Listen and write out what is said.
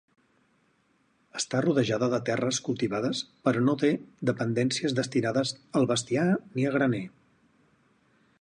Està rodejada de terres cultivades però no té dependències destinades al bestiar ni a graner.